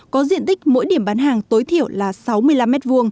có diện tích mỗi điểm bán hàng tối thiểu là sáu mươi năm m hai